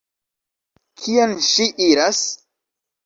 Kien ŝi iras?